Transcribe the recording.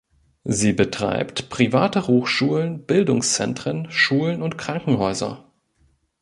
Sie betreibt private Hochschulen, Bildungszentren, Schulen und Krankenhäuser.